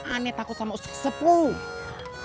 aneh takut sama sepuluh